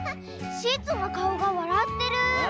シーツのかおがわらってる！